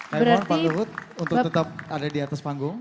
saya mohon pak luhut untuk tetap ada di atas panggung